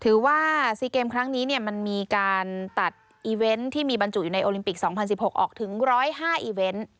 ว่า๔เกมครั้งนี้มันมีการตัดอีเวนต์ที่มีบรรจุอยู่ในโอลิมปิก๒๐๑๖ออกถึง๑๐๕อีเวนต์